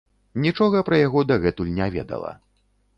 Нічога пра яго дагэтуль не ведала.